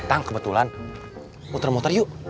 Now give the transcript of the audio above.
tang kebetulan muter muter yuk